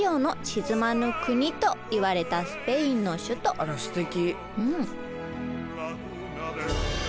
あらすてき。